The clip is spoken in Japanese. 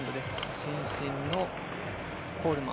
伸身のコールマン。